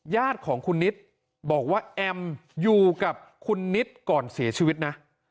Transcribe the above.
ญาติของคุณนิดบอกว่าแอมอยู่กับคุณนิดก่อนเสียชีวิตนะ